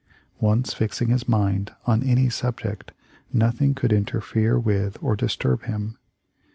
Once fixing his mind on any subject, nothing could interfere with or disturb him.